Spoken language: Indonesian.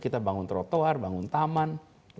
kita bangun trotoar bangun taman